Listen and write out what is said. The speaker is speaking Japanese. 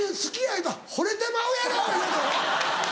言うたら「ほれてまうやろ！」いうやつやろ。